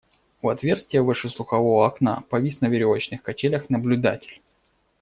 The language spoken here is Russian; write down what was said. У отверстия выше слухового окна повис на веревочных качелях наблюдатель.